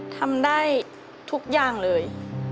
ทำได้ทุกอย่างเลย